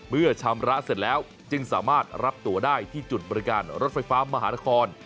เมื่อชำระเสร็จแล้วจึงสามารถรับตัวได้ที่จุดบริการรถไฟฟ้ามหานคร